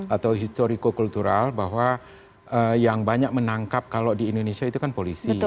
atau historiko kultural bahwa yang banyak menangkap kalau di indonesia itu kan polisi